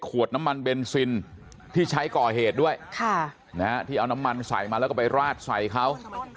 น้ำมันเบนซินที่ใช้ก่อเหตุด้วยที่เอาน้ำมันใส่มาแล้วก็ไปราดใส่เขา